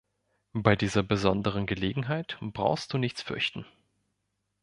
Bei dieser besonderen Gelegenheit brauchst du nichts fürchten.